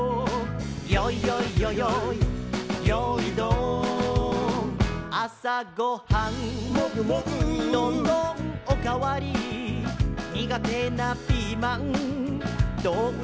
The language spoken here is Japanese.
「よいよいよよいよーいドン」「朝ごはん」「どんどんお代わり」「苦手なピーマンどんと来い」